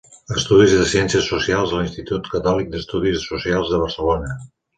Estudis de Ciències Socials a l'Institut Catòlic d'Estudis Socials de Barcelona.